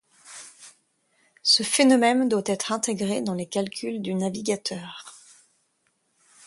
Ce phénomène doit être intégré dans les calculs du navigateur.